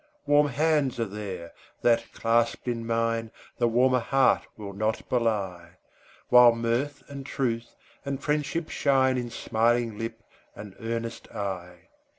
Warm hands are there, that, clasped in mine, The warmer heart will not belie; While mirth, and truth, and friendship shine In smiling lip and earnest eye.